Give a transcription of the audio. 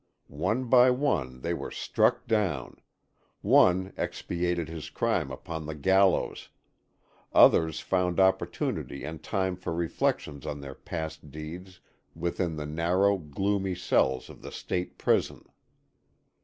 One by one they were struck down; one expiated his crime upon the gallows; others found opportunity and time for reflection on their past deeds within the narrow, gloomy cells of the State prison.